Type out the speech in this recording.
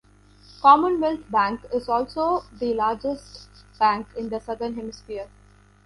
Commonwealth Bank is also the largest bank in the Southern Hemisphere.